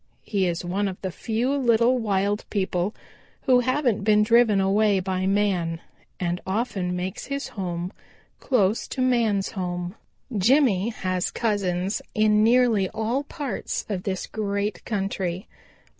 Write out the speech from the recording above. He is one of the few little wild people who haven't been driven away by man, and often makes his home close to man's home. "Jimmy has own cousins in nearly all parts of this great country.